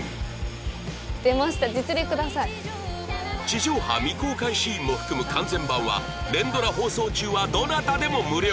地上波未公開シーンも含む完全版は連ドラ放送中はどなたでも無料